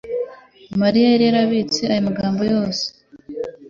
Mariya yari yarabitse ayo magambo yose;